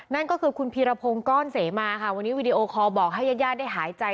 นั่นก็คือคุณพีรพงษ์ก้อนเสมอวันนี้วีดีโอบอกให้ย่าได้หายใจ